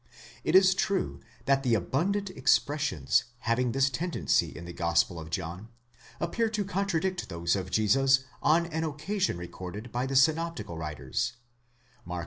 It is true that the abundant expressions having this tendency in the Gospel of John, appear to contradict those of Jesus on an occasion recorded by the synoptical writers (Mark x.